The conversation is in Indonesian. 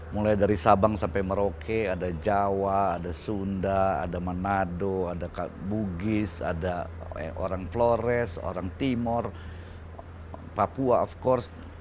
mulai dari sabang sampai merauke ada jawa ada sunda ada manado ada bugis ada orang flores orang timur papua of course